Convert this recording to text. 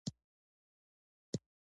د حرمینو پر ماسکو خبرې واورېدې.